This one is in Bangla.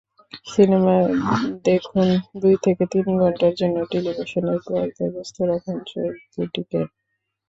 সিনেমা দেখুনদুই থেকে তিন ঘণ্টার জন্য টেলিভিশনের পর্দায় ব্যস্ত রাখুন চোখ দুটিকে।